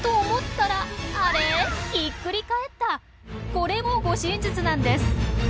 これも護身術なんです。